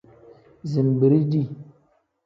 Zinbiri dii.